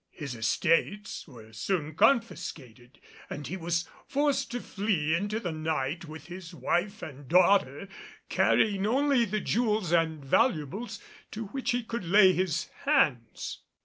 His estates were soon confiscated and he was forced to flee into the night with his wife and daughter, carrying only the jewels and valuables to which he could lay his hands.